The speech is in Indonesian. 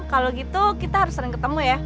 kalau gitu kita harus sering ketemu ya